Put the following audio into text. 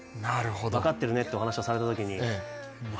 分かってるねってお話をされたときにうわ